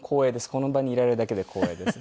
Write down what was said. この場にいられるだけで光栄です。